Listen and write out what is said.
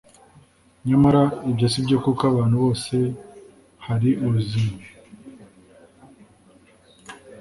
Nyamara ibyo si byo kuko ahantu hose hari ubuzima